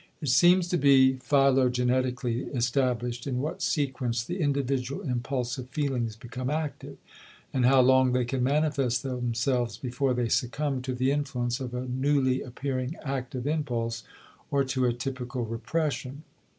It seems to be phylogenetically established in what sequence the individual impulsive feelings become active, and how long they can manifest themselves before they succumb to the influence of a newly appearing active impulse or to a typical repression.